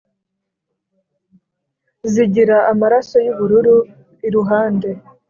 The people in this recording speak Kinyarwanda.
zigira amaraso y’ubururu iruhande